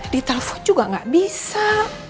di telpon juga nggak bisa